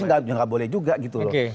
nggak boleh juga gitu loh